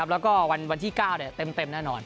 แล้วก็วันที่๙เต็มแน่นอน